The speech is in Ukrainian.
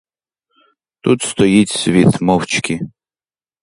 Тут стоїть світ мовчки.